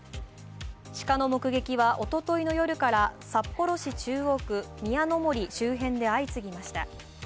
鹿の目撃はおとといの夜から札幌市中央区宮の森周辺で相次ぎました。